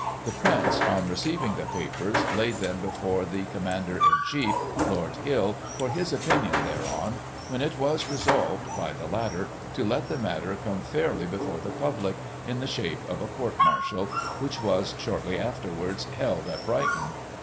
The Prince^ on receiving the papers, laid them before the Commander in Chief, Lord Hill, for his opinion thereon, when it was resolved, by the latter, to let the matter come fairly before the public, in the shape of a court martial, which was, shortly afterwards, held at Brighton.